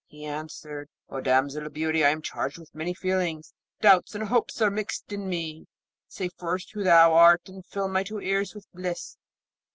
He answered, 'O damsel of beauty, I am charged with many feelings; doubts and hopes are mixed in me. Say first who thou art, and fill my two ears with bliss.'